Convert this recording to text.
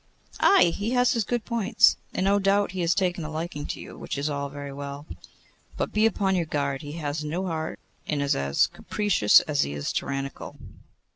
'Ay! he has his good points. And, no doubt, he has taken a liking to you, which is all very well. But be upon your guard. He has no heart, and is as capricious as he is tyrannical.